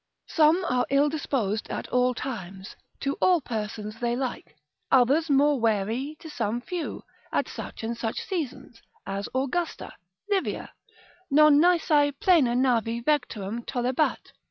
Some are ill disposed at all times, to all persons they like, others more wary to some few, at such and such seasons, as Augusta, Livia, non nisi plena navi vectorem tollebat.